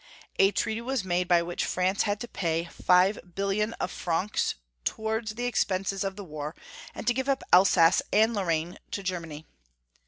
A treaty was made by which France had to pay 5,000,000,000 of fi'ancs towai ds the expenses of the war, and to give up Elsass and Lorraine to Germany.